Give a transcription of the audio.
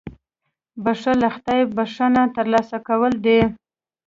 • بښل له خدایه بښنه ترلاسه کول دي.